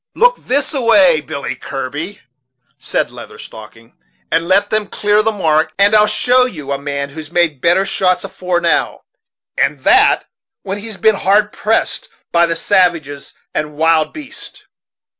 "Look this a way, Billy Kirby," said Leather Stocking, "and let them clear the mark, and I'll show you a man who's made better shots afore now, and that when he's been hard pressed by the savages and wild beasts."